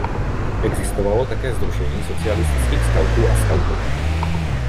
Existovalo také Sdružení socialistických skautů a skautek.